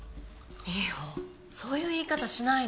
美帆そういう言い方しないの。